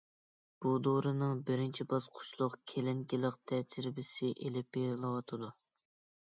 بۇ دورىنىڭ بىرىنچى باسقۇچلۇق كىلىنىكىلىق تەجرىبىسى ئېلىپ بېرىلىۋاتىدۇ.